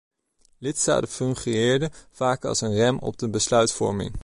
Lidstaten fungeerden vaak als een rem op de besluitvorming.